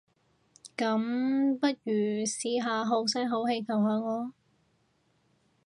噉，不如試下好聲好氣求下我？